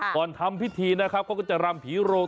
ทำพิธีนะครับเขาก็จะรำผีโรง